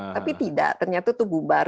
tapi tidak ternyata itu bubar